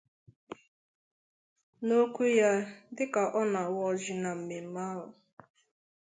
N'okwu ya dịka ọ na-awa ọjị na mmemme ahụ